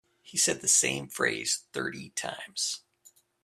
He said the same phrase thirty times.